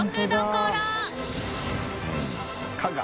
加賀」